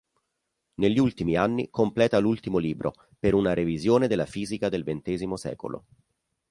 Negli ultimi anni completa l'ultimo libro "Per una revisione della fisica del Ventesimo secolo.